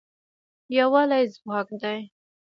یووالی ځواک دی